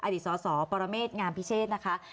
อดีตสสปรเมษงามพิเชษนะคะ